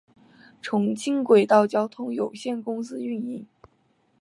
重庆轨道交通有限公司运营。